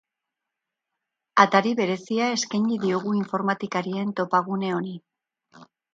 Atari berezia eskaini diogu informatikarien topagune honi.